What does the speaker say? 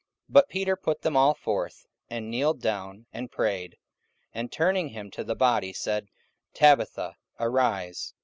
44:009:040 But Peter put them all forth, and kneeled down, and prayed; and turning him to the body said, Tabitha, arise.